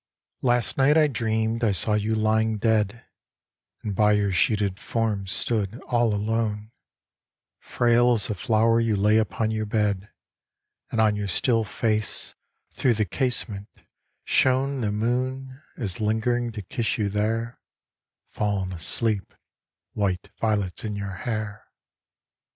Last night I dreamed I saw you lying dead, And by your sheeted form stood all alone: Frail as a flow'r you lay upon your bed, And on your still face, through the casement, shone The moon, as lingering to kiss you there Fall'n asleep, white violets in your hair.